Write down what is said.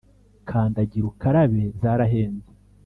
Kandagira ukarabe zarahenze